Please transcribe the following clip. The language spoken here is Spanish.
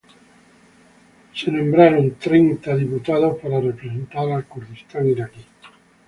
Treinta diputados fueron nombrados para representar al Kurdistán iraquí.